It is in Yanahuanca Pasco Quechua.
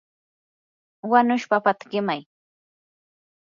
yanush papata qimay.